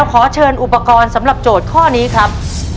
ขอเชิญอุปกรณ์สำหรับโจทย์ข้อนี้ครับ